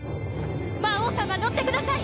魔王さま乗ってください